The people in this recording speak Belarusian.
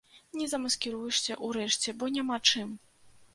Не замаскіруешся, урэшце, бо няма чым.